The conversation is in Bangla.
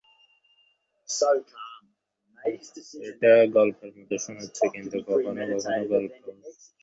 এটা গল্পের মতো শোনাচ্ছে, কিন্তু কখনও কখনও গল্পও সত্যি হয়।